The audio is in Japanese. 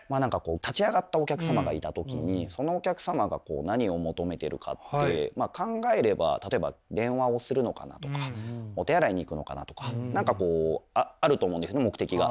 立ち上がったお客様がいた時にそのお客様が何を求めてるかって考えれば例えば電話をするのかなとかお手洗いに行くのかなとか何かこうあると思うんです目的が。